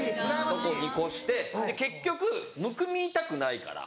とこに越して結局むくみたくないから。